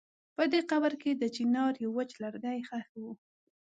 په دې قبر کې د چنار يو وچ لرګی ښخ و.